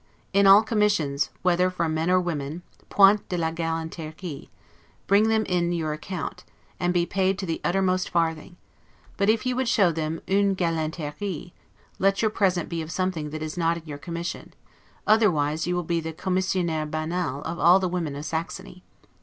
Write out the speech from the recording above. In all commissions, whether from men or women, 'point de galanterie', bring them in your account, and be paid to the uttermost farthing; but if you would show them 'une galanterie', let your present be of something that is not in your commission, otherwise you will be the 'Commissionaire banal' of all the women of Saxony.